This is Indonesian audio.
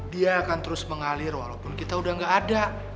dia akan terus mengalir walaupun kita udah gak ada